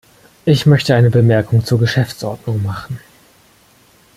Ich möchte eine Bemerkung zur Geschäftsordnung machen.